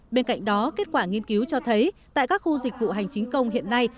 bên cạnh đó kết quả nghiên cứu cho thấy tại các khu dịch vụ hành chính công hiện nay